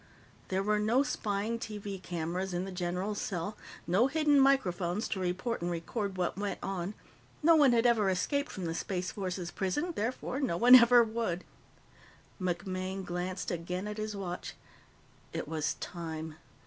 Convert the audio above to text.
There were no spying TV cameras in the general's cell, no hidden microphones to report and record what went on. No one had ever escaped from the Space Force's prison, therefore, no one ever would. MacMaine glanced again at his watch. It was time.